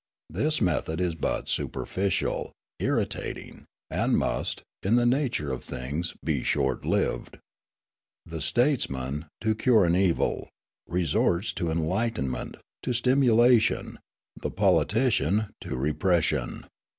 This method is but superficial, irritating, and must, in the nature of things, be short lived. The statesman, to cure an evil, resorts to enlightenment, to stimulation; the politician, to repression.